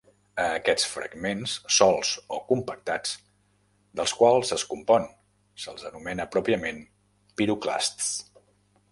A aquests fragments, solts o compactats, dels quals es compon, se'ls anomena, pròpiament, piroclasts.